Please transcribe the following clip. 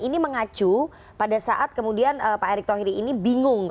ini mengacu pada saat kemudian pak erick thohir ini bingung